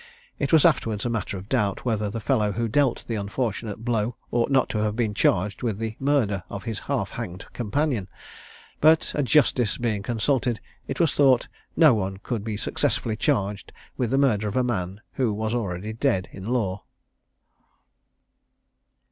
It was afterwards a matter of doubt whether the fellow who dealt the unfortunate blow ought not to have been charged with the murder of his half hanged companion; but "a justice" being consulted, it was thought no one could be successfully charged with the murder of a man who was already dead in law.